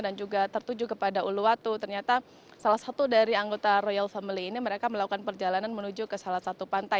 dan juga tertuju kepada uluwatu ternyata salah satu dari anggota royal family ini mereka melakukan perjalanan menuju ke salah satu pantai